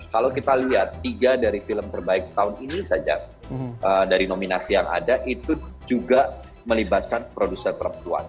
kalau kita lihat tiga dari film terbaik tahun ini saja dari nominasi yang ada itu juga melibatkan produser perempuan